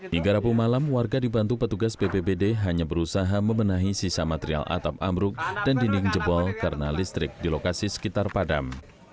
hingga rabu malam warga dibantu petugas bpbd hanya berusaha membenahi sisa material atap amruk dan dinding jebol karena listrik di lokasi sekitar padam